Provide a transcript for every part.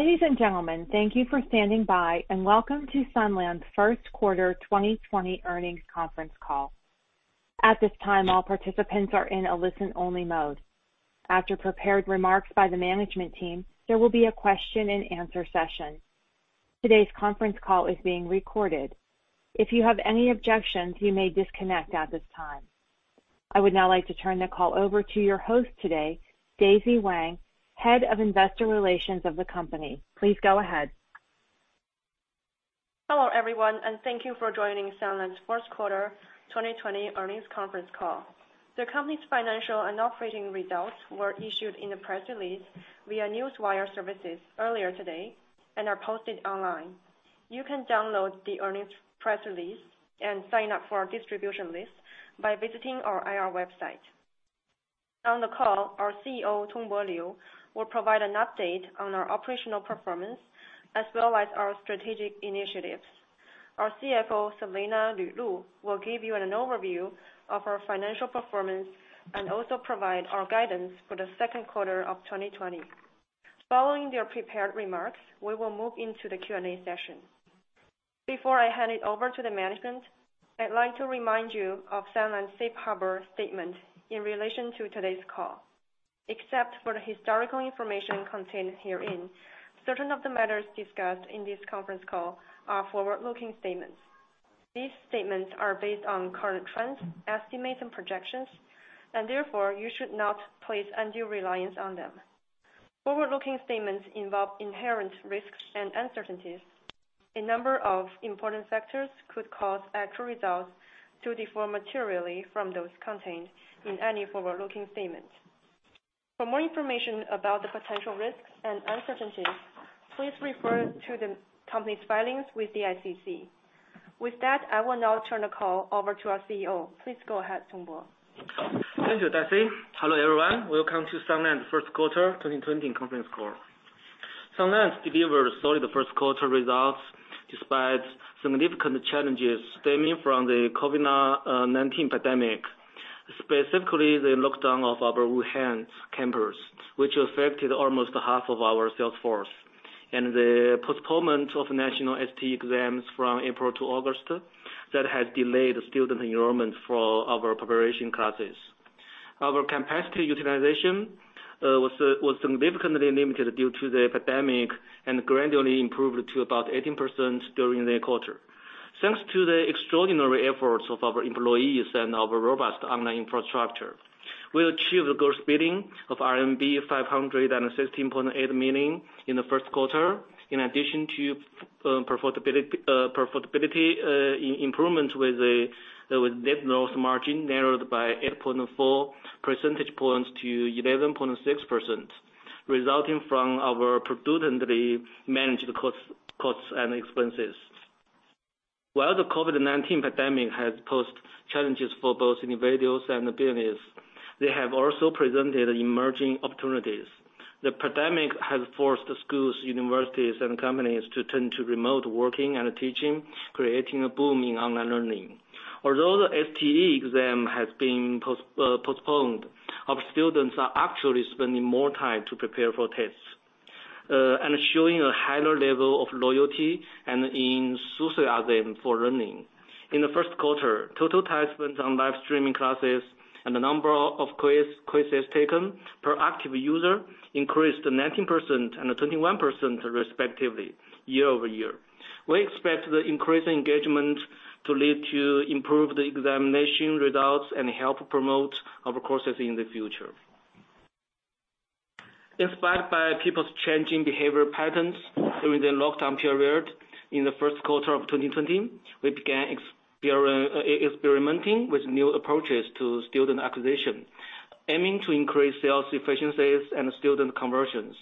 Ladies and gentlemen, thank you for standing by, and welcome to Sunlands' first quarter 2020 earnings conference call. At this time, all participants are in a listen-only mode. After prepared remarks by the management team, there will be a question-and-answer session. Today's conference call is being recorded. If you have any objections, you may disconnect at this time. I would now like to turn the call over to your host today, Daisy Wang, Head of Investor Relations of the company. Please go ahead. Hello, everyone, thank you for joining Sunlands's first quarter 2020 earnings conference call. The company's financial and operating results were issued in the press release via Newswire Services earlier today and are posted online. You can download the earnings press release and sign up for our distribution list by visiting our IR website. On the call, our CEO, Tongbo Liu, will provide an update on our operational performance as well as our strategic initiatives. Our CFO, Selena Lu Lu, will give you an overview of our financial performance and also provide our guidance for the second quarter of 2020. Following their prepared remarks, we will move into the Q&A session. Before I hand it over to the management, I'd like to remind you of Sunlands's Safe Harbor statement in relation to today's call. Except for the historical information contained herein, certain of the matters discussed in this conference call are forward-looking statements. These statements are based on current trends, estimates, and projections, and therefore, you should not place undue reliance on them. Forward-looking statements involve inherent risks and uncertainties. A number of important factors could cause actual results to differ materially from those contained in any forward-looking statements. For more information about the potential risks and uncertainties, please refer to the company's filings with the SEC. With that, I will now turn the call over to our CEO. Please go ahead, Tongbo. Thank you, Daisy. Hello, everyone. Welcome to Sunlands's first quarter 2020 conference call. Sunlands delivered solid first quarter results despite significant challenges stemming from the COVID-19 pandemic. Specifically, the lockdown of our Wuhan campus, which affected almost half of our sales force, and the postponement of national STE exams from April to August that has delayed student enrollment for our preparation classes. Our capacity utilization was significantly limited due to the pandemic and gradually improved to about 18% during the quarter. Thanks to the extraordinary efforts of our employees and our robust online infrastructure, we achieved gross billing of RMB 516.8 million in the first quarter. In addition to profitability improvement with net loss margin narrowed by 8.4 percentage points to 11.6%, resulting from our prudently managed costs and expenses. While the COVID-19 pandemic has posed challenges for both individuals and the business, they have also presented emerging opportunities. The pandemic has forced schools, universities, and companies to turn to remote working and teaching, creating a boom in online learning. Although the STE exam has been postponed, our students are actually spending more time to prepare for tests, and showing a higher level of loyalty and enthusiasm for learning. In the first quarter, total time spent on live streaming classes and the number of quizzes taken per active user increased 19% and 21% respectively year-over-year. We expect the increased engagement to lead to improved examination results and help promote our courses in the future. Inspired by people's changing behavior patterns during the lockdown period in the first quarter of 2020, we began experimenting with new approaches to student acquisition, aiming to increase sales efficiencies and student conversions.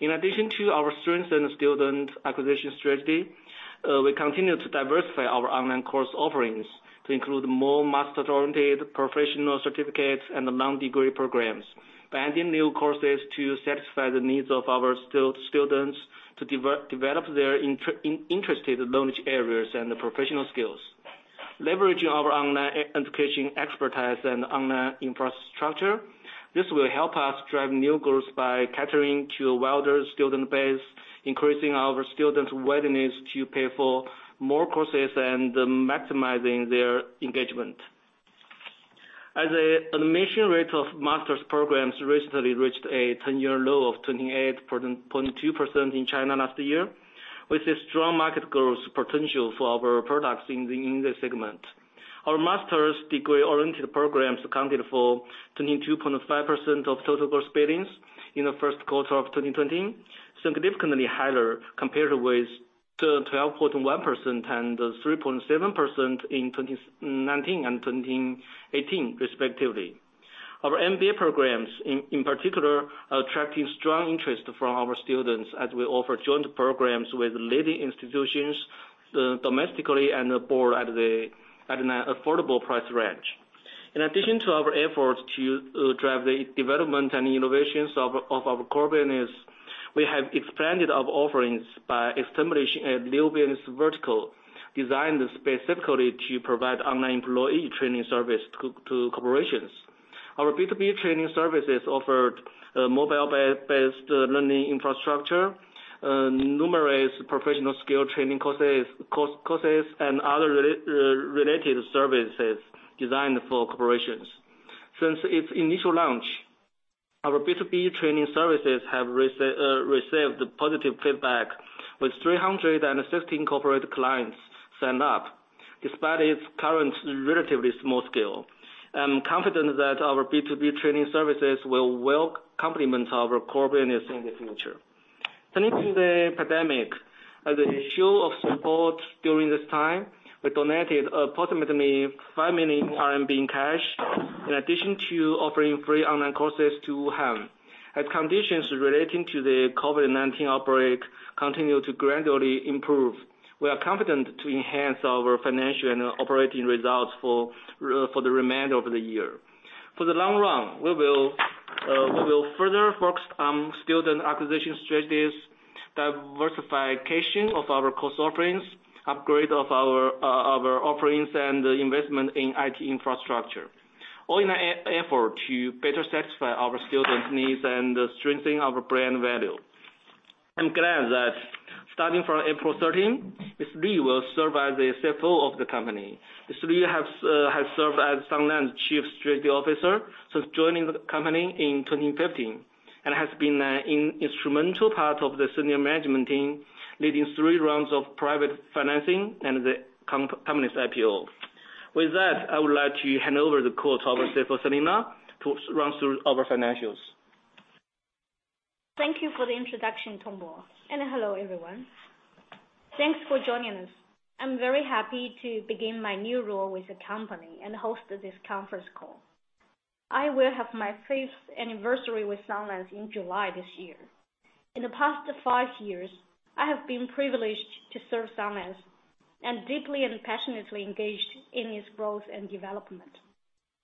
In addition to our strength in student acquisition strategy, we continue to diversify our online course offerings to include more master's-oriented professional certificates and non-degree programs, adding new courses to satisfy the needs of our students to develop their interested knowledge areas and professional skills. Leveraging our online education expertise and online infrastructure, this will help us drive new growth by catering to a wider student base, increasing our students' willingness to pay for more courses, and maximizing their engagement. As the admission rate of master's programs recently reached a 10-year low of 28.2% in China last year, with a strong market growth potential for our products in the English segment. Our master's degree-oriented programs accounted for 22.5% of total gross billings in the first quarter of 2020, significantly higher compared with 12.1% and 3.7% in 2019 and 2018 respectively. Our MBA programs in particular are attracting strong interest from our students as we offer joint programs with leading institutions domestically and abroad at an affordable price range. In addition to our efforts to drive the development and innovations of our core business, we have expanded our offerings by establishing a new business vertical designed specifically to provide online employee training service to corporations. Our B2B training services offered mobile-based learning infrastructure, numerous professional skill training courses, and other related services designed for corporations. Since its initial launch, our B2B training services have received positive feedback with 316 corporate clients signed up, despite its current relatively small scale. I'm confident that our B2B training services will well complement our core business in the future. Turning to the pandemic, as a show of support during this time, we donated approximately 5 million RMB in cash, in addition to offering free online courses to Wuhan. As conditions relating to the COVID-19 outbreak continue to gradually improve, we are confident to enhance our financial and operating results for the remainder of the year. For the long run, we will further focus on student acquisition strategies, diversification of our course offerings, upgrade of our offerings, and investment in IT infrastructure, all in an effort to better satisfy our students' needs and strengthen our brand value. I'm glad that starting from April 13th, Ms. Lu will serve as the CFO of the company. Ms. Lu has served as Sunlands' Chief Strategy Officer since joining the company in 2015, and has been an instrumental part of the senior management team, leading three rounds of private financing and the company's IPO. With that, I would like to hand over the call to our CFO, Selena, to run through our financials. Thank you for the introduction, Tongbo. Hello, everyone. Thanks for joining us. I'm very happy to begin my new role with the company and host this conference call. I will have my fifth anniversary with Sunlands in July this year. In the past five years, I have been privileged to serve Sunlands and deeply and passionately engaged in its growth and development.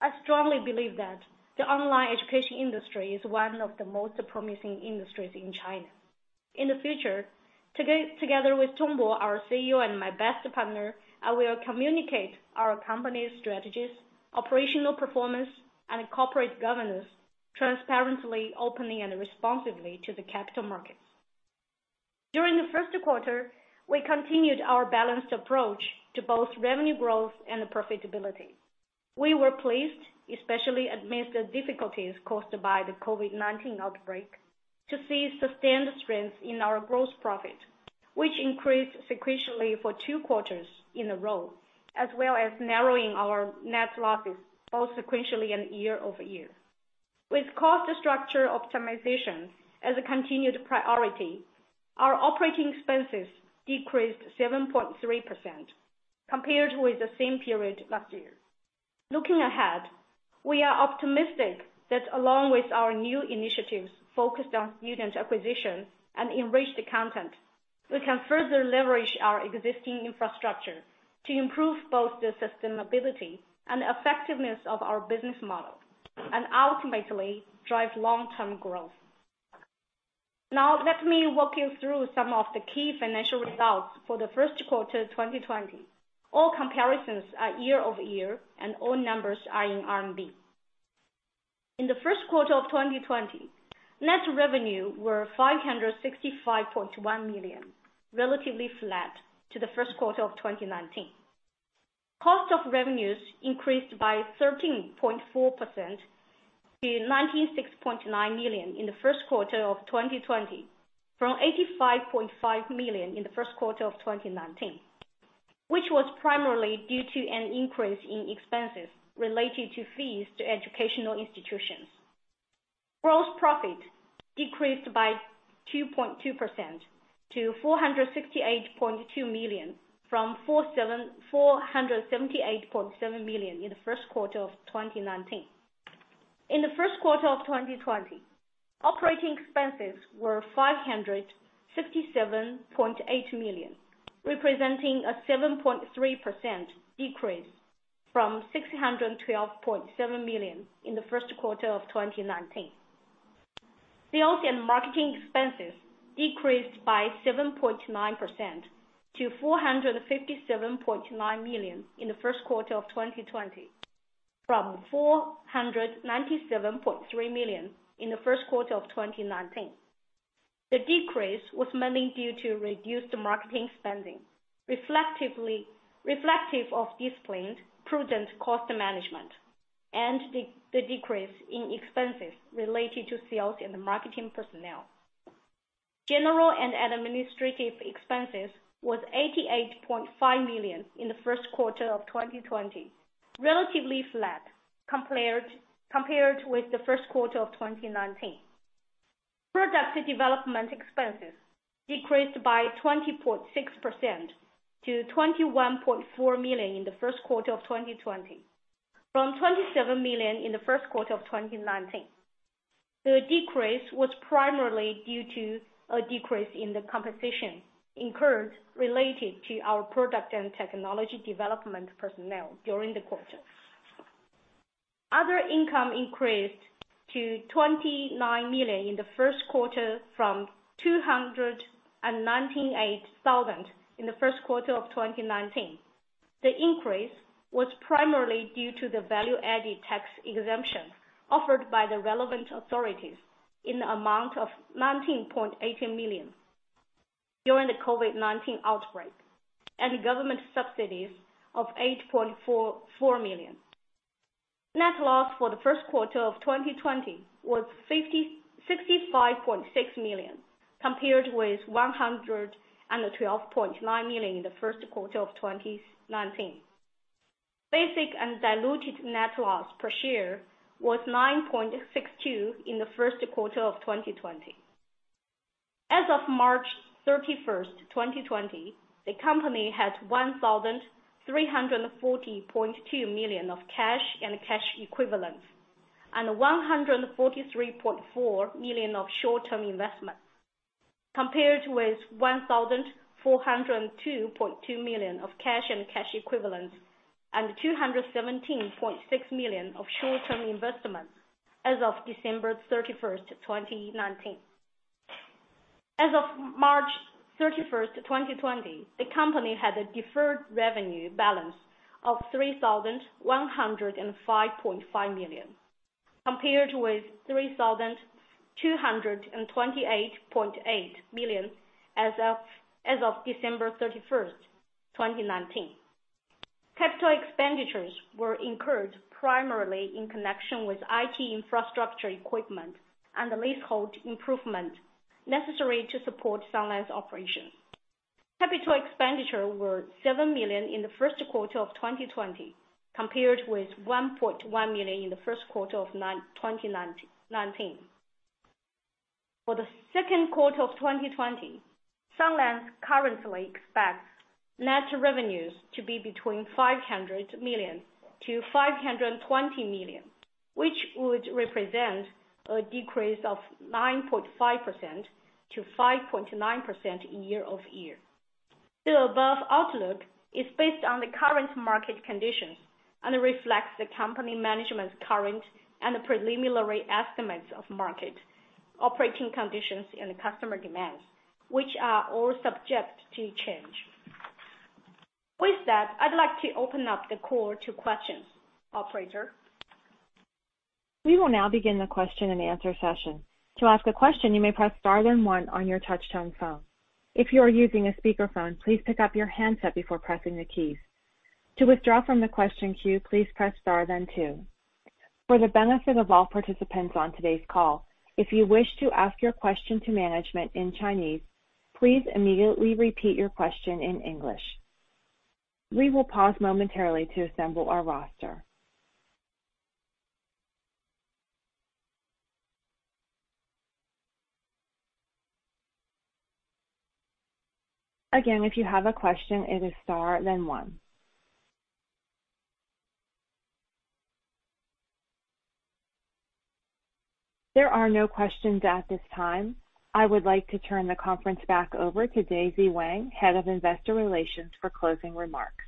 I strongly believe that the online education industry is one of the most promising industries in China. In the future, together with Tongbo, our CEO and my best partner, I will communicate our company's strategies, operational performance, and corporate governance transparently, openly and responsibly to the capital markets. During the first quarter, we continued our balanced approach to both revenue growth and profitability. We were pleased, especially amidst the difficulties caused by the COVID-19 outbreak, to see sustained strength in our gross profit, which increased sequentially for two quarters in a row, as well as narrowing our net losses, both sequentially and year-over-year. With cost structure optimization as a continued priority, our operating expenses decreased 7.3% compared with the same period last year. Looking ahead, we are optimistic that along with our new initiatives focused on student acquisition and enriched content, we can further leverage our existing infrastructure to improve both the sustainability and effectiveness of our business model, and ultimately drive long-term growth. Now, let me walk you through some of the key financial results for the first quarter 2020. All comparisons are year-over-year, all numbers are in RMB. In the first quarter of 2020, net revenue were 565.1 million, relatively flat to the first quarter of 2019. Cost of revenues increased by 13.4% to 96.9 million in the first quarter of 2020 from 85.5 million in the first quarter of 2019, which was primarily due to an increase in expenses related to fees to educational institutions. Gross profit decreased by 2.2% to 468.2 million from 478.7 million in the first quarter of 2019. In the first quarter of 2020, operating expenses were 567.8 million, representing a 7.3% decrease from 612.7 million in the first quarter of 2019. Sales and marketing expenses decreased by 7.9% to 457.9 million in the first quarter of 2020, from 497.3 million in the first quarter of 2019. The decrease was mainly due to reduced marketing spending, reflective of disciplined, prudent cost management and the decrease in expenses related to sales and marketing personnel. General and administrative expenses was 88.5 million in the first quarter of 2020, relatively flat compared with the first quarter of 2019. Product development expenses decreased by 20.6% to 21.4 million in the first quarter of 2020, from 27 million in the first quarter of 2019. The decrease was primarily due to a decrease in the compensation incurred related to our product and technology development personnel during the quarter. Other income increased to 29 million in the first quarter from 298,000 in the first quarter of 2019. The increase was primarily due to the value-added tax exemption offered by the relevant authorities in the amount of 19.18 million during the COVID-19 outbreak, and government subsidies of 8.44 million. Net loss for the first quarter of 2020 was 65.6 million, compared with 112.9 million in the first quarter of 2019. Basic and diluted net loss per share was 9.62 in the first quarter of 2020. As of March 31st, 2020, the company had 1,340.2 million of cash and cash equivalents, and 143.4 million of short-term investments, compared with 1,402.2 million of cash and cash equivalents and 217.6 million of short-term investments as of December 31st, 2019. As of March 31st, 2020, the company had a deferred revenue balance of 3,105.5 million, compared with 3,228.8 million as of December 31st, 2019. Capital expenditures were incurred primarily in connection with IT infrastructure equipment and the leasehold improvement necessary to support Sunlands's operation. Capital expenditures were 7 million in the first quarter of 2020, compared with 1.1 million in the first quarter of 2019. For the second quarter of 2020, Sunlands currently expects net revenues to be between 500 million-520 million, which would represent a decrease of 9.5%-5.9% year-over-year. The above outlook is based on the current market conditions and reflects the company management's current and preliminary estimates of market operating conditions and customer demands, which are all subject to change. With that, I'd like to open up the call to questions. Operator? We will now begin the question and answer session. To ask a question, you may press star then one on your touchtone phone. If you are using a speakerphone, please pick up your handset before pressing the keys. To withdraw from the question queue, please press star then two. For the benefit of all participants on today's call, if you wish to ask your question to management in Chinese, please immediately repeat your question in English. We will pause momentarily to assemble our roster. Again, if you have a question, it is star then one. There are no questions at this time. I would like to turn the conference back over to Daisy Wang, Head of Investor Relations, for closing remarks.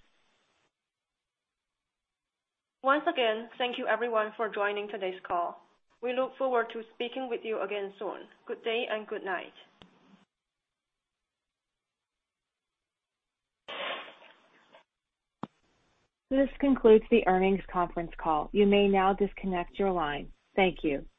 Once again, thank you, everyone, for joining today's call. We look forward to speaking with you again soon. Good day and good night. This concludes the earnings conference call. You may now disconnect your line. Thank you.